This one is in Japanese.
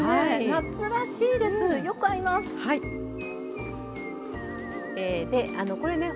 夏らしいですね。